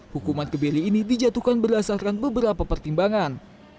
hukuman kebiri ini dijatuhkan berdasarkan beberapa pertimbangan